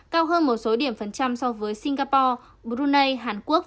cao hơn một số điểm phần trăm so với singapore brunei hàn quốc